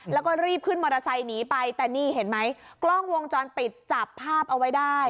แล้วก็รีบขึ้นมอเตอร์ไซค์หนีไปแต่นี่เห็นไหมกล้องวงจรปิดจับภาพเอาไว้ได้